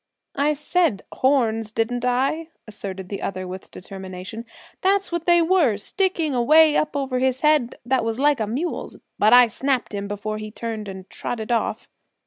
"I said horns, didn't I?" asserted the other with determination. "That's what they were, sticking away up over his head that was like a mule's. But I snapped him before he turned and trotted off!"